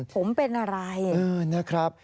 ผมเป็นอะไรนะครับ